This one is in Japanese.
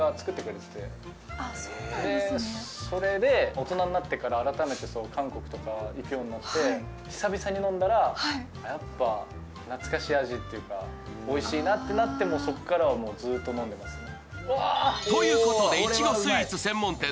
大人になってから改めて韓国とか行くようになって久々に飲んだら、やっぱ懐かしい味っていうか、おいしいなってなって、そこからはずっと飲んでますね。